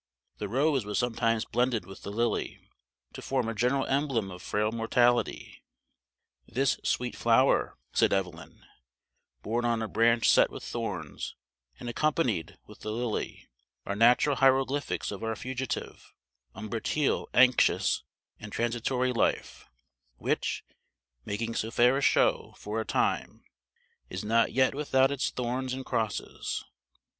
The rose was sometimes blended with the lily, to form a general emblem of frail mortality. "This sweet flower," said Evelyn, "borne on a branch set with thorns and accompanied with the lily, are natural hieroglyphics of our fugitive, umbratile, anxious, and transitory life, which, making so fair a show for a time, is not yet without its thorns and crosses."